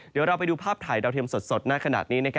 เดี๋ยวเราไปดูภาพถ่ายดาวเทียมสดหน้าขนาดนี้